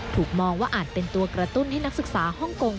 ถูกมองว่าอาจเป็นตัวกระตุ้นให้นักศึกษาฮ่องกง